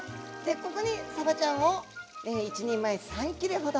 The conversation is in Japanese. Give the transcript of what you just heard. ここにさばちゃんを１人前３切れほど。